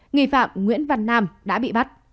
người phạm nguyễn văn nam đã bị bắt